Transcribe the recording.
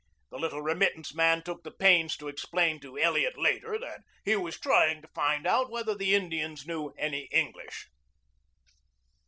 The little remittance man took the pains to explain to Elliot later that he was trying to find out whether the Indians knew any English.